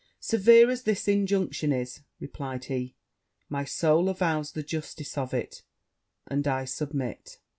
'Severe as this injunction is,' replied he, 'my soul avows the justice of it; and I submit.'